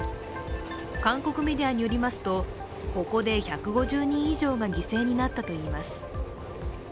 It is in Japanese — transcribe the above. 韓国メディアによりますと、ここで１５０人以上が犠牲になったといいます。